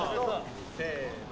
せの。